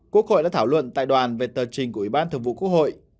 quốc hội đã thảo luận tại đoàn về tờ trình của ủy ban thường vụ quốc hội